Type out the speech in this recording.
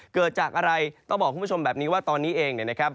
เกิดจากอะไรต้องบอกคุณผู้ชมแบบนี้ว่าตอนนี้เองเนี่ยนะครับ